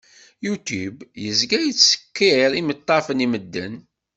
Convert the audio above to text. Youtube yezga yettsekkiṛ imaṭṭafen i medden.